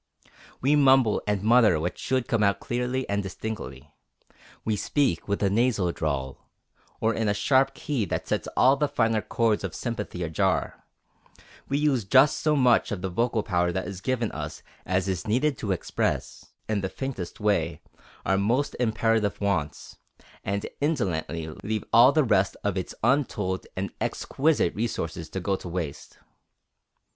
We mumble and mutter what should come out clearly and distinctly; we speak with a nasal drawl, or in a sharp key that sets all the finer chords of sympathy ajar; we use just so much of the vocal power that is given us as is needed to express in the faintest way our most imperative wants, and indolently leave all the rest of its untold and exquisite resources to go to waste.